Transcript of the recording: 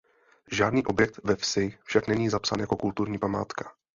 Žádný objekt ve vsi však není zapsán jako kulturní památka.